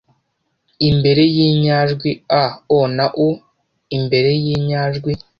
imbere y inyajwi a o na u imbere y inyajwi